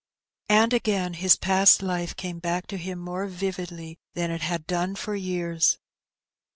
And again his past life came back to him more vividly than it had done for years.